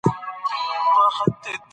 غرونه د افغان ښځو په ژوند کې رول لري.